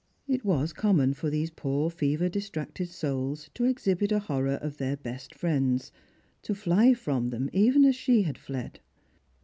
It was common for these poor fever distracted souls to exhibit a horror of their best friends —'■ to fly from them even as she had fled.